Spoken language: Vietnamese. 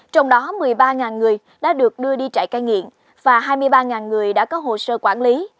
trong đó một mươi ba người đã được đưa đi trại ca nghiện và hai mươi ba người đã có hồ sơ quản lý